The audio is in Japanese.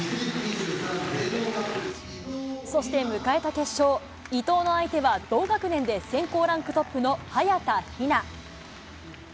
そして迎えた決勝、伊藤の相手は同学年で選考ランクトップの早田ひな。